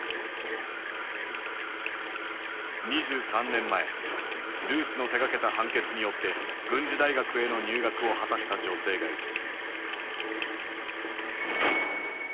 ２３年前ルースの手がけた判決によって軍事大学への入学を果たした女性がいる。